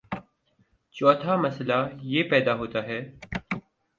چوتھا مسئلہ یہ پیدا ہوتا ہے